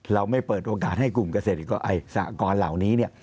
เราไม่เปิดโอกาสให้กลุ่มเกษตรสหกรเหล่านี้เนี่ย